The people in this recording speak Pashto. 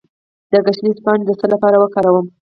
د ګشنیز پاڼې د څه لپاره وکاروم؟